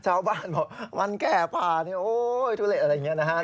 ชาวบ้านบอกวันแก่ป่าเนี่ยโอ๊ยทุเลอะไรอย่างนี้นะฮะ